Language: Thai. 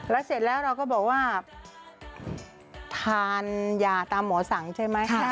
แล้วเสร็จแล้วเราก็บอกว่าทานยาตามหมอสั่งใช่ไหม